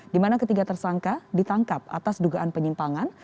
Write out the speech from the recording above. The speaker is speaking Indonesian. di mana ketiga tersangka ditangkap atas dugaan penyimpangan